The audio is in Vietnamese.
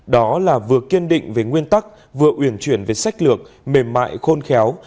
đó là vừa kiên định về nguyên tắc vừa uyển chuyển về sách lược mềm mại khôn khéo